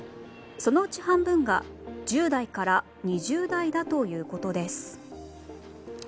そのうち半分が１０代から２０代だということです。